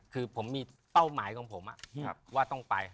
คือผมมีเป้าหมายของผมที่ว่าต้องไป